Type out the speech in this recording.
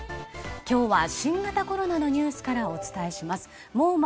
今日は新型コロナのニュースからお伝えします。